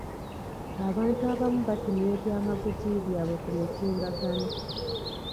Abantu abamu batumya ebyamaguzi byabwe ku mutimbagano.